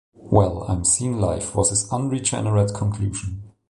"Well, I'm seeing life," was his unregenerate conclusion.